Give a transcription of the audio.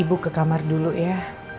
ibu ke kamar dulu ya